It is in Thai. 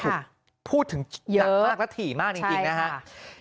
ถูกพูดถึงหนักมากและถี่มากจริงนะครับ